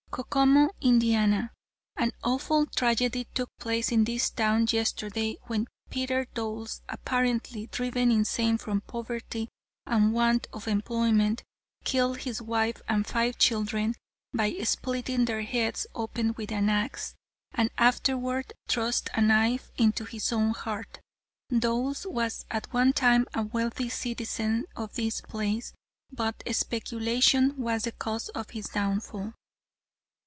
"Kokomo, Ind.: An awful tragedy took place in this town yesterday when Peter Doles, apparently driven insane from poverty and want of employment, killed his wife and five children by splitting their heads open with an axe, and afterward thrust a knife into his own heart. Doles was at one time a wealthy citizen of this place, but speculation was the cause of his downfall."